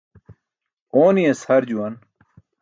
Ooni̇yas har juwan.